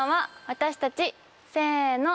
私たちせの！